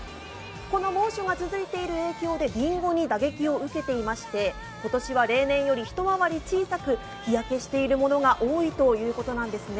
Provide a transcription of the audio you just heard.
この猛暑が続いている影響でりんごに打撃を受けていまして、今年は例年より一回り小さく日焼けしているものが多いということです。